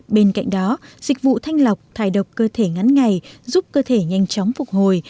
bên cạnh đó dịch vụ thanh lọc thải độc cơ thể ngắn ngày giúp cơ thể nhanh chóng phục hồi